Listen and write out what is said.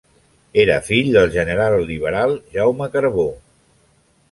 Era fill del general liberal Jaume Carbó.